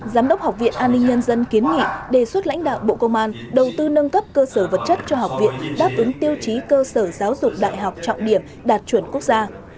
giám đốc học viện an ninh nhân dân kiến nghị đề xuất lãnh đạo bộ công an đầu tư nâng cấp cơ sở vật chất cho học viện đáp ứng tiêu chí cơ sở giáo dục đại học trọng điểm đạt chuẩn quốc gia